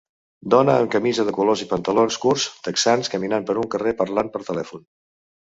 Dona amb camisa de colors i pantalons curts texans caminant per un carrer parlant per telèfon.